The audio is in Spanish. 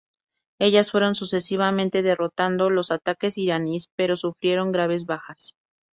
Ellas fueron sucesivamente derrotando los ataques iraníes, pero sufrieron graves bajas.